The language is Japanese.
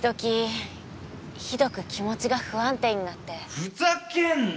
ふざけんな！